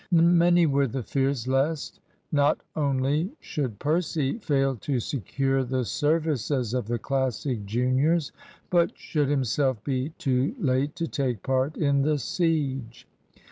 Many were the fears lest not only should Percy fail to secure the services of the Classic juniors, but should himself be too late to take part in the siege.